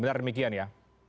benar demikian ya